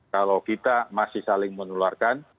kalau kita masih saling menularkan